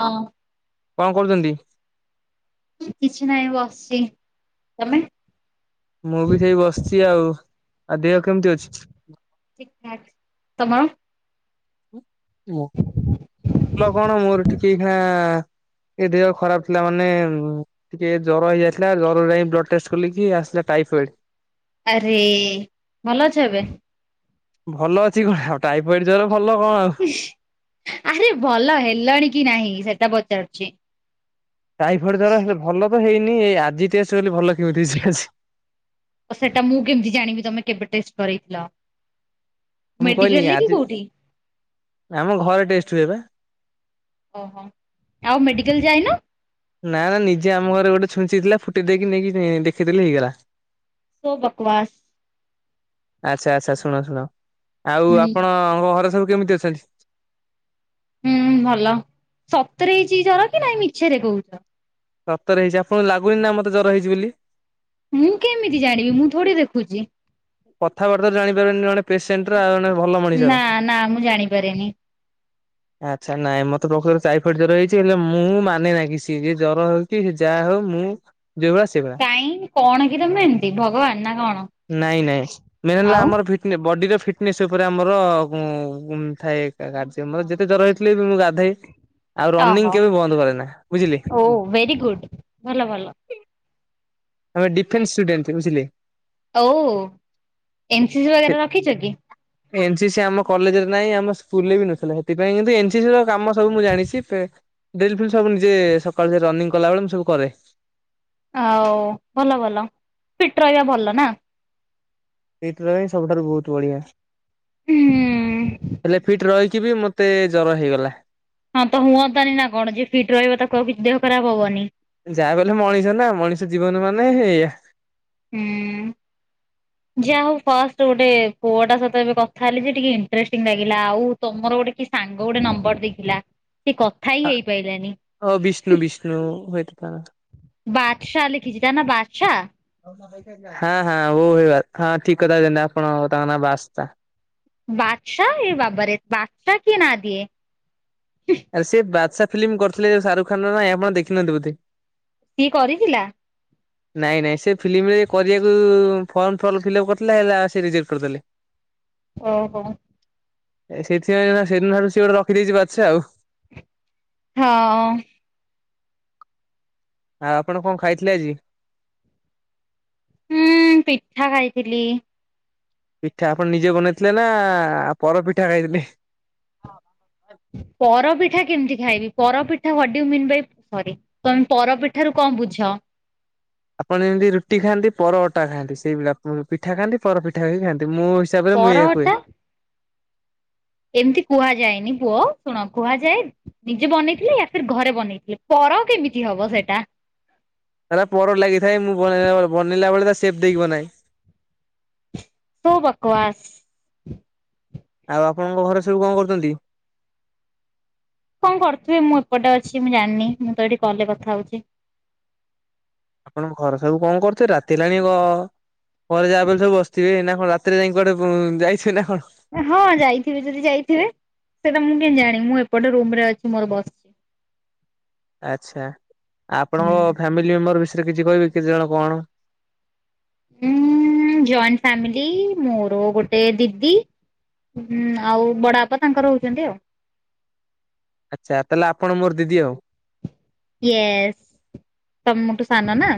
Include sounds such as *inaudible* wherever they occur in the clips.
ହଁ। କଣ କରୁଛନ୍ତି? କିଛି ନାହିଁ ବସିଛି ତମେ? ମୁଁ ବି ସେଇ ବସିଛି ଆଉ ଆଉ ଦେହ କେମିତି ଅଛି? ଠିକ୍ ଠାକ୍ ତମର? ମୁଁ ଭଲ କଣ ମୋର ଟିକେ ଏଇଖଣା ଏ ଦେହ ଖରାପ ଥିଲା ମାନେ ଟିକେ ଜ୍ୱର ହେଇଯାଇଥିଲା ଜର ଯାଇ ବ୍ଲଡ଼ ଟେଷ୍ଟ କଲିକି ଆସିଲା ଟାଇଫଏଡ୍। ଆରେ ଭଲ ଅଛ ଏବେ? ଭଲ ଅଛି କଣ ଆଉ ଟାଇଫଏଡ୍ ଜର ଭଲ କଣ ଆ ଆରେ ଭଲ ହେଲଣି କି ନାହିଁ ସେଟା ପଚାରୁଛି? ଟାଇଫଏଡ୍ ଜର ହେଲେ ଭଲ ତ ହେଇନି ଏଇ ଆଜି ଟେଷ୍ଟ କଲି ଭଲ କେମିତି ଆସି ଓ ସେଟା ମୁଁ କେମିତି ଜାଣିବି ତମେ କେବେ ଟେଷ୍ଟ କରେଇଥିଲ? ମୁଁ କହିଲି ମେଡିକାଲରେ କି ଆଜି କୋଉଠି ଆମ ଘରେ ଟେଷ୍ଟ ହୁଏ ବା। ଓହୋ ଆଉ ମେଡିକାଲ ଯାଇନ? ନା ନା ନିଜେ ଆମ ଘରେ ଗୋଟେ ଛୁଞ୍ଚି ଥିଲା ଫୁଟେଇ ଦେଇକି ନେଇକି ଦେଖିଦେଲି ହେଇଗଲା। ସୋ ବକ୍ବାସ୍। ଆଚ୍ଛା ଆଚ୍ଛା ଶୁଣ ଶୁଣ ଆଉ ହୁଁ ଆପଣଙ୍କ ଘରେ ସବୁ କେମିତି ଅଛନ୍ତି? ହୁଁ ଭଲ ସତରେ ହେଇଛି ଜର କି ନାଇଁ ମିଛରେ କହୁଛ? ସତରେ ହେଇଛି ଆପଣଙ୍କୁ ଲାଗୁନି ନା ମତେ ଜର ହେଇଛି ବୋଲି? ମୁଁ କେମିତି ଜାଣିବି ମୁଁ ଥୋଡି ଦେଖୁଛି। କଥାବାର୍ତ୍ତାରୁ ଜାଣିପାରନି ଜଣେ ପେସେଣ୍ଟ ର ଆଉ ଜଣେ ଭଲ ନା ମଣିଷର। ନା ମୁଁ ଜାଣିପାରେନି ଆଚ୍ଛା ନାଇଁ ମତେ ପ୍ରକୃତରେ ଟାଇଫଏଡ ଜର ହେଇଛି ହେଲେ ମୁଁ ମାନେ ନାଁ କିଛି ସିଏ ଯିଏ ଜର କି ଯାହା ହଉ ମୁଁ ଯୋଉଭଳିଆ ସେଇ ଭଳିଆ। କାଇଁ କଣ କି ତମେ ଏମତି ଭଗବାନ ନା କଣ? ନାଇଁ ନାଇଁ ମେନ୍ ହେଲା ଆଉ ଆମର ଫିଟ୍ ନେ ବଡିର ଫିଟ୍ନେସ୍ ଉପରେ ଆମର ଉଁ ଉଁ ଥାଏ କାର୍ଯ୍ୟମର ଯେତେ ଜର ହେ ଇଥିଲେ ବି ମୁଁ ଗାଧେଇ ଆଉ ରନିଂ ଓହୋ। କେବେ ବନ୍ଦ କରେ ନା ବୁଝିଲେ? ଓ ଭେରି ଗୁଡ଼୍। ଭଲ ଭଲ। ଆମେ ଡିଫେନ୍ସ ଷ୍ଟୁଡେନ୍ଥ ବୁଝିଲେ। ହଉ ଏନସି ସି ସେ ବଗେରା ରଖିଛ କି? ଏନ୍ ସି ସି ଆମ କଲେଜ୍ ରେ ନାହିଁ ଆମ ସ୍କୁଲ୍ ରେ ବି ନଥିଲା ସେଥିପାଇଁ କିନ୍ତୁ ଏନ୍ ସି ସି ର କାମ ସବୁ ମୁଁ ଜାଣିଛି। ଡିଲ୍ ଫିଲ୍ ସବୁ ନିଜେ ସକାଳୁ ସେ ରନିଂ କଲାବେଳେ ମୁଁ ସବୁ କରେ। ଆଉ ଭଲ ଭଲ ଫିଟ୍ ରହିବା ଭଲ ନା? ଫିଟ୍ ରହ ସବୁଠାରୁ ବୋହୁତ ବଢିଆ ହୁଁ। ହେଲେ ଫିଟ୍ ରହିକି ବି ମତେ ଏତେ ଜର ହେଇଗଲା। ହଁ ତ ହୁଅନ୍ତାନି ନା କଣ ଯିଏ ଫିଟ୍ ରହିବ ତାକୁ ଆଉ କିଛି ଦେହ ଖରାପ ହବନି। ଯାହା ବି ହେଲେ ମଣିଷ ନା ମଣିଷ ଜୀବନ ମାନେ ଏୟା। ହୁଁ। ଯାହା ହୋଉ ଫାଷ୍ଟ ଗୋଟେ ପୁଅଟା ସହିତ ଏବେ କଥା ହେଲି ଯେ ଟିକେ ଇଣ୍ଟ୍ରେଷ୍ଟିଙ୍ଗ ଲାଗିଲା ଆଉ ତମର ଗୋଟେ କିଏ ସାଙ୍ଗ ଗୋଟେ ନମ୍ବର୍ ଦେଇଥିଲା ସେ କ ଅ ଓ ବିଷ୍ଣୁ ବିଷ୍ଣୁ ହୁଏତ ତା ନାଁ। ବାଦସା ଲେଖିଛି ତା ନା ବାଦସା? ହଁ ହଁ ବୋ ଭ ହଁ ଠିକ୍ କଥା କହିଲେ ଆପଣ ତାଙ୍କ ନାଁ ବାସ୍ତା। ବାଦଶା ଏ ବାବାରେ ବାସ୍ତା କି ନାଁ ଦିଏ? ଆରେ ସେ ବାଦଶା ଫିଲ୍ମ କରିଥିଲେ ଯୋଉ ଶାରୁଖାନ୍ ର ନାଇଁ ଆପଣ ଦେଖିନହାନ୍ତି ବୋଧେ? ସିଏ କରିଥିଲା? ନାଇଁ ନାଇଁ ସେ ଫିଲ୍ମରେ କରିବାକୁ ଫର୍ମ ଫର୍ ଫିଲ୍ଅପ୍ କରିଥିଲେ ହେଲା ସେ ରିଜେକ୍ଟ କରିଦେଲେ। ଓ ହୋ। ଏ ସେଇଥିପାଇଁ ସେ ଦିନଠାରୁୁ ସେ ଗୋଟେ ରଖିଦେଇଛି ବାଛା ଆଉ। ହଁ। ହଁ ଆପଣ କଣ ଖାଇଥିଲେ ଆଜି? ହୁଁ ପିଠା ଖାଇଥିଲି। ପିଠା ଆପଣ ନିଜେ ବନେଇଥିଲେ ନା ପର ପିଠା ଖାଇଥିଲେ? ପରପିଠା କେମିତି ଖାଇବି ପରପିଠା what do you mean by sorry. ତମେ ପରପିଠାରୁ କଣ ବୁଝ? ଆପଣ ଯେମିତି ରୁଟି ଖାଆନ୍ତି ପର ଅଟା ଖାଆନ୍ତି ସେଇଭଳିଆ ପିଠା ଖାଆନ୍ତି ପର ପିଠା ଖାଆନ୍ତି ମୁଁ ହିସାବରେ ମୁଇଆକୁ *unintelligible* ଏୟା କୁହେ। ପରଟା ଏମିତି କୁହାଯାଏନି ପୁଅ ଶୁଣ କୁହାଯାଏ ନିଜେ ବନେଇଥିଲେ ୟା ଫିର୍ ଘରେ ବନେଇଥିଲେ ପର କେମିତି ହବ ସେଟା। ତାର ପର ଲାଗିଥାଏ ମୁଁ ବନ ବନେଇଲା ବେଳେ ତା ସେପ୍ ଦେଇକି ବନାଏ। ତୁ ବକବାସ୍। ଆଉ ଆପଣଙ୍କ ଘରେ ସବୁ କଣ କରୁଛନ୍ତି? କଣ କରୁଥିବେ ମୁଁ ଏପଟେ ଅଛି ମୁଁ ଜାଣିନି ମୁଁ ତ ଏଠି କଲ ରେ କଥା ହଉଛି। ଆପଣଙ୍କ ଘର ସବୁ କଣ କରୁଥିବେ ରାତିହେଲାଣି ଘ ଘରେ ଯାହା ବି ହେଲେ ସବୁ ବସିଥିବେ ଏଇନା କଣ ରା ରାତିରେ ଯାଇଁକି କୁଆଡେ ଯାଇଥିବେ ନା କଣ? ହଁ ଯାଇଥିବେ ଯଦି ଯାଇଥିବେ ସେଟା ମୁଁ କେମିତି ଜାଣିବି ମୁଁ ଏପଟେ ରୁମ୍ ରେ ଅଛି ମୋର ବସ୍ *inaudible* ଆଚ୍ଛା। ଆପଣଙ୍କ ହୁଁ। ଫ୍ୟାମିଲି? ଫ୍ୟାମିଲି ମେମ୍ବର୍ ବିଷୟରେ କିଛି କହିବେ କି କେତେ ଜଣ କଣ? ଉଁ ଜଏଣ୍ଟ ଫ୍ୟାମିଲି ମୋର ଗୋଟେ ଦିଦି। ହୁଁ ଆଉ ବଡ ବାପା ତାଙ୍କର ରହୁଛନ୍ତି ଆଉ। ଆଚ୍ଛା ତାହେଲେ ଆପଣ ମୋର ଦିଦି ଆଉ। ୟେଏସ୍ ତ ମୁଠୁ ସାନ ନା।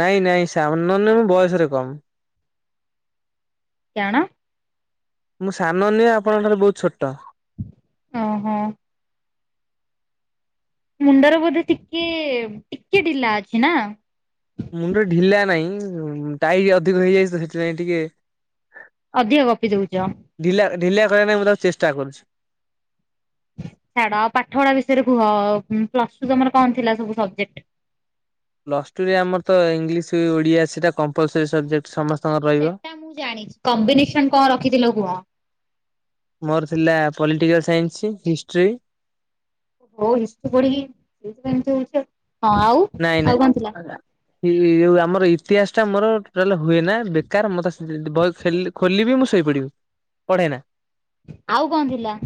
ନାଇଁ ନାଇଁ ସାନ ନୁ ମୁଁ ବୟସରେ କମ୍। କ୍ୟଣ? ମୁଁ ସାନ ନିଏ ଆପଣଙ୍କ ଠାରୁ ବୋହୁତ୍ ଛୋଟ। ହଁ -ହଁ। ମୁଣ୍ଡର ବୋଧେ ଟିକେ ଟିକେ ଢିଲା ଅଛି ନା? ମୁଣ୍ଡ ଢିଲା ନାଇଁ ଟାଇରି ଅଧିକ ହେଇଯାଇ ତ ସେଥିପାଇଁ ଟିକେ। ଅଧିକ ଗପି ଦୋଉଛ। ଢିଲା, ଢିଲା କରିବା ପାଇଁଁ ମୁଁ ତାକୁ ଚେଷ୍ଟା କରୁଛି। ଛାଡ ଆ ପାଠ ପଢା ବିଷୟରେ କୁହ ପ୍ଲସ୍ ଟୁ ତମର କଣ ଥିଲା ସବୁ ସବଜେକ୍ଟ୍? ପ୍ଲସ୍ ଟୁ ରେ ଆମର ତ ଇଂଲିଶ ଓଡିଆ ସେଇଟା କ ସେଟା ମୁଁ ଜାଣିଛି କମ୍ବିନେସନ୍ କଁ ରଖିଥିଲ କୁହ? ମୋର ଥିଲା ପଲିଟିକାଲ ସାଇନ୍ସି, ହିଷ୍ଟ୍ରି। ହୋଉନି ପାଠ ପଢିକି ସେଇଥି ଏମିତି ହୋଉଛି ଆଉ, ହଁ ଆଉ ନାଇଁ ଆଉ କଣ ଥିଲା? ନାଇଁ ଇ-ଇ-ଇଏ ଯୋଉ ଆମର ଇତିହାସ ଟା ମୋର ଟୋଟାଲ୍ ହୁଏ ନା ବେକାର ମତେ ବହି ଖେଲ୍ ଖୋଲ ବି ମୁଁ ଶୋଇପଡ଼ିବୁ ପଢ଼େନା। ଆଉ କଁ ଥିଲା?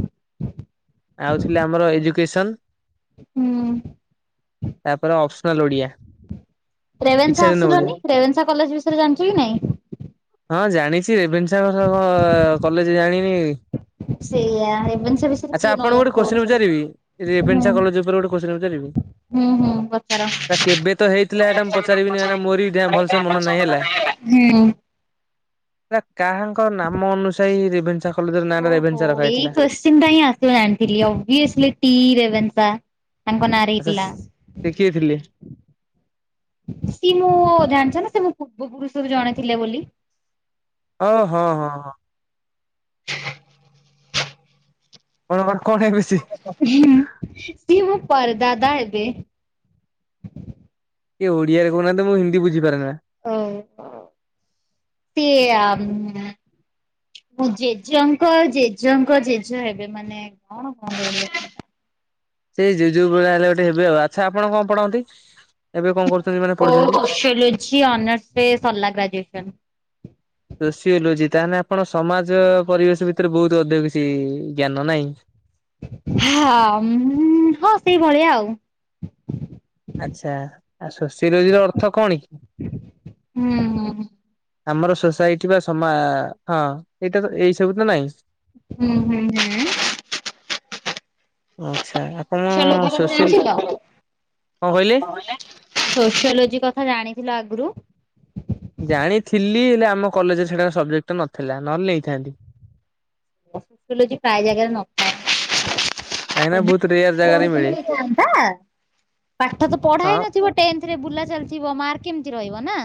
ଆଉ ଥିଲା ଆମର ଏଜୁକେସନ୍ ହୁଁ ତାପରେ ଅ ଅଫ୍ ସ୍ନାନ୍ ଓଡ଼ିଆ ଇଚ୍ଛା ଯୋଉ ଦିନ ଓଡିଆ। ଟେରେନ୍ସା କଲେଜ୍ ବିଷୟରେ ଜାଣ୍ ଛୁ କି ନାଇଁ। ହଁ ଜାଣିଛି ରେବେଶା *unintelligible* କଲେଜ୍ ଜାଣିନି। ସେଆ ରେଭେନ୍ସା ବିସ୍ ଆଚ୍ଛା ଆପଣଙ୍କୁ ଗୋଟେ କୋଶ୍ଚିନ୍ ପଚାରି ହୁଁ ରେଭେନ୍ସା କଲେଜ୍ ଉପରେ ଗୋଟେ କୋଶ୍ଚିନ୍ ପଚାରିବି। ହୁଁ ହୁଁ ପଚାର। ହେଟା କେବେ ତ ହେଇଥିଲା ହେଟା ମୁଁ ପଚାରିବିନି କାଇନା ମୋର ବି ଭଲସେ ମନ ନାହିଁ ହେଲା। ହୁଁ ଉଁ। ସେଟା କାହାଙ୍କ ନାମ ଅନୁସାଇ ରେଭେନ୍ସା କଲେଜ୍ ନାଁ ଟା ରେଭେନ୍ସା ରଖାଯାଇଥିଲା। ଚିନ୍ତା ହିଁ ଆସିବ ଜାଣ୍ ଆଣିଥିଲି, ଓଭିସୋଲି ଟି ରେଭେନ୍ସା। ତାଙ୍କ ନାଁ ରେ ଆଚ୍ଛା ହେଇଥିଲା। ସେ କିଏ ଥିଲେ? ସିଏ ମୁଁ ଜାଣିଛ ନା ସେ ମଁ ପୂର୍ବ ପୁରୁଷରୁ ଜଣେଇଥିଲେ ବୋଲି। ଓ ହଁ -ହଁ -ହଁ ଆପଣଙ୍କ କଣ ହେଇକି ବେଶି। ସିଏ ମୋ ପରଦାଦା ଏବେ। କିଏ ଓଡିଆରେ କହୁନାହାନ୍ତି ମୁଁ ହୀନ୍ଦୀ ବୁଝିପାରେ ନା। ହୁଁ ଉଁ ସେ ଆ ମୁଁ ଜେଜେଙ୍କ ଜେଜେଙ୍କ ଜେଜେ ହେବେ ମାନେ କଣ କଣ କହିବେ? ସେଇ ଯଉ -ଯୋଉ ଭଳିଆ ହେଲେ ଗୋଟେ ହେବେ ଆଉ ଆଚ୍ଛା ଆପଣ କଣ ପଢନ୍ତି, ଏବେ କଣ କରୁଛନ୍ତି ମାନେ ପଢୁଛନ୍ତି? ସେଲୋଜି ଅନର୍ସ ରେ ସରିଲା ଗ୍ରାଜୁଏସନ୍। ସୋସି ଓଲୋଜି ତାହେଲେ ଆପଣ ସମାଜ ପରିବେଶ ଭିତରେ ବୋହୁତୁ ଅଧିକ କିଛି ଜ୍ଞାନ ନାଇଁ? ହଁ-ଉଁ-ଉ- ହଁ ସେଇଭଳିଆ ଆଉ‌। ଆଚ୍ଛା ଆଉ ଶୋଷୀ ରୋଜି ର ଅର୍ଥ କଣ କି? ହୁଁ -ହୁଁ। ଆମର ସୋସାଇଟି ବା ସମା-ଆ-ଆ ହଁ ଏଇଟା ତ ଏଇ ସବୁ ତ ନାଇଁ। ହୁଁ- ହୁଁ- ହୁଁ। ଆଚ୍ଛା ତମ ଆପଣ ଓଡ଼ିଶା ଲୋକ ସୋସିଆଲ କଣ କହିଲେ? *unintelligible* ସୋସିଓଲୋଜି କଥା ଜାଣିଥିଲ ଆଗରୁ? ଜାଣିଥିଲି ହେଲେ ଆମ କଲେଜରେ ସେଟା ସବଜେକ୍ଟ ତ ନଥିଲା ନହେଲେ ନେଇଥାନ୍ତି। ସୋସିୟୋଲୋଜି ପ୍ରାୟ ଜାଗାରେ ନଥାଏ। କାହିଁକିନା ସେଦିନ ବହୁତ ରେୟାର ସିନା ଜାଗାରେ ପଢ଼ିଥିଲେ ମିଳେ। ହେଇଥାନ୍ତା। ପାଠ ତ ପଢ଼ା ହଁ ହେଇ ନଥିବ ଟେନ୍ଥରେ ବୁଲା ଚାଲିଥିବ, ମାର୍କ କେମିତି ରହିବ ନା?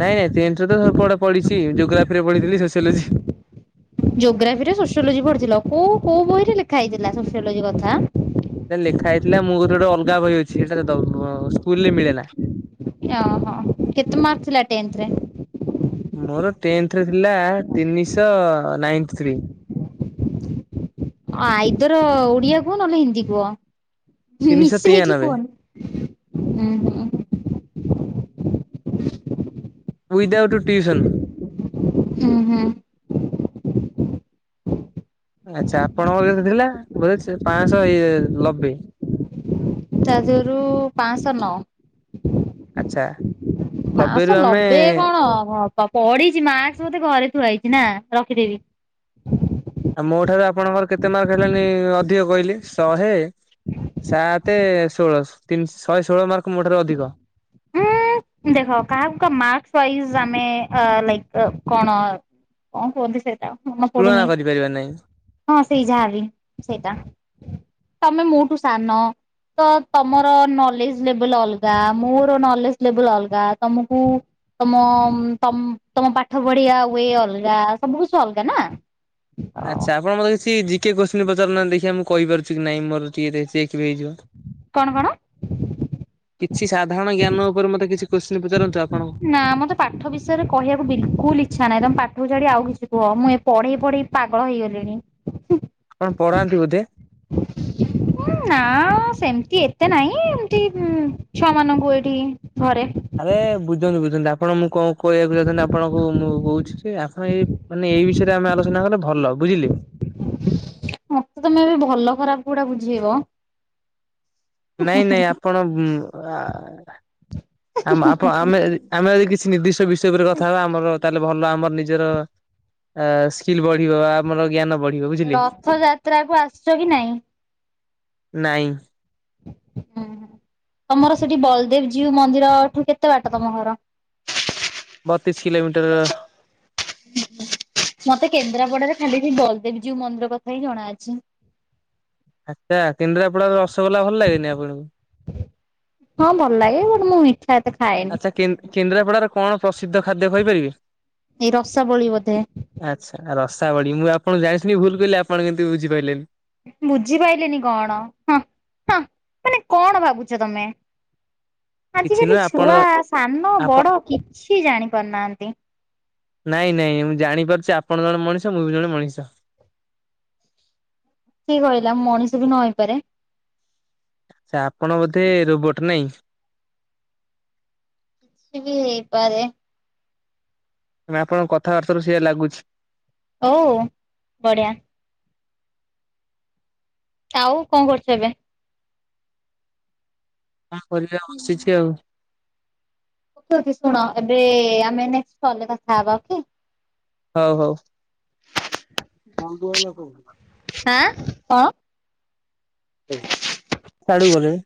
ନାଇଁ ନାଇଁ ଟେନ୍ଥରେ ତ ସବୁ ପଢ଼ା ପଢ଼ିଛି। ଜୋଗ୍ରାଫିରେ ପଢ଼ିଛି ସୋସିଓଲୋଜି ଜୋଗ୍ରାଫିରେ ସୋସିଓଲୋଜି ପଢ଼ିଥିଲ। କୋଉ କୋଉ ବହିରେ ଲେଖା ହେଇଥିଲା ସୋସିଓଲୋଜି କଥା? ସେ ଲେଖା ହେଇଥିଲା ମୋ କତି ରେ ଗୋଟେ ଅଲଗା ବହି ଅଛି ସେଟା ସ୍କୁଲରେ ମିଳେ ନା। ଅହୋ ହ କେତେ ମାର୍କ ଥିଲା ଟେନ୍ଥରେ? ମୋର ଟେନ୍ଥରେ ଥିଲା ତିନିଶହ ନାଇନ୍ଥ ଥ୍ରୀ। ଅଇଦର ଓଡ଼ିଆ କୁହ ନହେଲେ ହିନ୍ଦୀ କୁହ। ତିନିଶହ ମିଶେଇକି ତେୟାନବେ। କୁହନି। ହୁଁ ହୁଁ। Without tuition. ହୁଁ ହୁଁ। ଆଚ୍ଛା ଆପଣଙ୍କର ଯେତେ ଥିଲା, ବେଳେ ସେ ପାଶହ ହେଇ ଆ ଲବେ। ତା ଦେହରୁ ପାଂଶ ନଅ। ଆଚ୍ଛା। ଲବେରୁ ପାଶହ ଆମେ ଲବେ କଣ ହ ପଢ଼ିଛି ମାସ୍କ୍ ବୋଧେ ଘରେ ଥୁଆ ହେଇଛି ନା ରଖିଦେବି? ଆଉ ମୋ ଠାରୁ ଆପଣଙ୍କର କେତେ ମାର୍କ ହେଲାଣି ଅଧିକ କହିଲେ ଶହେ ସାତ ଷୋଳ ତିନ୍ ଶ ଶହେ ଷୋହଳ ମାର୍କ ମୋ ଠାରୁ ଅଧିକ। ଦେଖ କାହାକୁ କ ମାର୍କସ୍ ବାଇଜ୍ ଆମେ ଲାଇକ୍ କଣ କଁ କୁହନ୍ତି ସେଟା ମନ ତୁଳନା ପଡୁନି, କରିପାରିବା ନାହିଁ। ହଁ ସେଇ ଯାହା ବି ସେଇଟା। ତମେ ମୋଠୁ ସାନ ତ ତମର ନଲେଜ ଲେବୁଲ୍ ଅଲଗା ମୋ ର ନଲେଜ ଲେବୁଲ ଅଲଗା। ତମକୁ ତମ ତମ ପାଠ ପଢ଼ିଆ ୱେ ଅଲଗା ସବୁ କିଛି ଅଲଗା ନା ହୁଁ। ଆଚ୍ଛା ଆପଣ ମତେ କିଛି ଜିକେ କୋସ୍ଚିନ୍ ପଚାରୁନାହାନ୍ତି ଦେଖି ଆ ମୁଁ କହିପାରୁଛି କି ନାଇଁ ମୋର ଟିକେ ଚେକ୍ ବି ହେଇଯିବ। କଣ କଣ? କିଛି ସାଧାରଣ ଜ୍ଞାନ ଉପରେ ମତେ କିଛି କୋଶ୍ଚିନ୍ ପଚାରନ୍ତୁ ଆପଣ? ନା ମତେ ପାଠ ବିଷୟରେ କହିଆକୁ ବିଲକୁଲ ଇଚ୍ଛା ନାହିଁ। ତମେ ପାଠକୁ ଛାଡ଼ି ଆଉ କିଛି କୁହ ମୁଁ ପଢ଼େଇ ପଢ଼େଇ ପାଗଳ ହେଇଗଲିଣି। କଣ ପଢ଼ାନ୍ତି ବୋଧେ? *inaudible* ହୁଁ ନା ସେମିତି ଏତେ ନାହିଁ ଏମତି ଛୁଆ ମାନଙ୍କୁ ଏଇଠି ଘରେ। ଆରେ ବୁଝନ୍ତୁ ବୁଝନ୍ତୁ ଆପଣ ମୁଁ କଁ କହିବାକୁ ଚାହୁଛନ୍ତି ଆପଣଙ୍କୁ ମୁଁ କହୁଛି ଯେ ଆପଣ ଏ ମାନେ ଏଇ ବିଷୟରେ ଆମେ ଆଲୋଚନା କଲେ ଭଲ ବୁଝିଲେ। ମତେ ତମେ ଏବେ ଭଲ ଖରାପ କୋଉଟା ବୁଝେଇବ? ନାଇଁ ନାଇଁ ଆପଣ ଆ ଆ ମାପ ଆମେ ଆମେ ଯଦି କିଛି ନିର୍ଦ୍ଧିଷ୍ଟ ବିଷୟ ଉପରେ କଥା ହବା ଆମର ତାହେଲେ ଭଲ ଆମର ନିଜର ସ୍କିଲ୍ ବଢ଼ିବ, ଆମର ଜ୍ଞାନ ବଢ଼ିବ। ରଥ ଯାତ୍ରା କୁ ଆସୁଛ କି ନାଇଁ? ନାଇଁ। ହୁଁ ହୁଁ। ତମର ସେଠି ବଲଦେବ ଜୀଉ ମନ୍ଦିର ଠୁ କେତେ ବାଟ ତମ ଘର? ବତିଶି କିଲୋମିଟର। ହୁଁ ହଁ ମତେ କେନ୍ଦ୍ରାପଡାରେ ଖାଲି ସେ ଦଳଦେବୀ ଜିଉ ମନ୍ଦିର କଥା ହିଁ ଜଣାଅଛି। ଆଛା କେଦ୍ରାପଡାର ରସଗୋଲା ଭଲ ଲାଗେନି ଆପଣଙ୍କୁ? ହଁ ଭଲ ଲାଗେ ବଟ ମୁଁ ମିଠା ଏତେ ଖାଏନି। କେ କେନ୍ଦ୍ରାପଡାରେ କଣ ପ୍ରସିଦ୍ଧ ଖାଦ୍ୟ କହିପାରିବେ? ଏଇ ରସାବଳୀ ବୋଧେ। ଆଛା ରସା ବଳି ମୁଁ ଆପଣଙ୍କୁ ଜାଣିି ଶୁଣି ଭୁଲ୍ କହିଲି ଆପଣ କେମିତି ବୁଝି ପାରିଲେ। ବୁଝିପାଇଲିିନି କଣ ହଁ ହଁ। ମାନେ କଣ ଭାବୁଚ ତମେ? କିଛି ଆଜିକାଲି ନୁହେଁ ଆପଣ ଛୁଆ ସାନ ଆପଣ ବଡ କିଛି ଜାଣି ପାରୁନାହାନ୍ତି। ନାଇଁ ନାଇଁ ମୁଁ ଜାଣିପାରୁଛି ଆପଣ ଜଣେ ମଣିଷ ମୁଁ ବି ଜଣେ ମଣିଷ। କିଏ କହିଲା ମଣିଷ ବି ନ ହେଇପାରେ। ସେ ଆପଣ ବୋଧେ ରୋବୋଟ ନାଇଁ। କିଛି ବି ହେଇପାରେ। ନାଁ ଆପଣଙ୍କ କଥାବାର୍ତ୍ତାରୁ ସେଇଆ ଲାଗୁଛି। ହୋଉ ବଢ଼ିଆ। ଆଉ କଣ କରୁଚୁ ଏବେ? କଣ ପରିବା ବସିଛି ଆଉ। କୋହୁଚି ଶୁଣ ଏବେ ଆମେ ନେଷ୍ଟେ କଲ୍ ରେ କଥା ହବା ଓକେ। ହୋଉ ହୋଉ। ମଞ୍ଜି ଆଇଲା କୋଉଠୁ? ଆଁ ହଁ। ସାଡୁକୁ ଗଲେଣି।